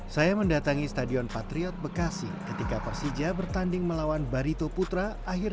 saya mendatangi stadion patriot bekasi ketika persija bertanding melawan barito putra akhir